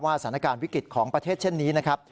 สถานการณ์วิกฤตของประเทศเช่นนี้นะครับ